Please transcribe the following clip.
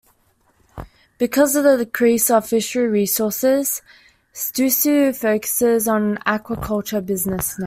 Because of a decrease of fishery resources, Suttsu focuses on an aquaculture business now.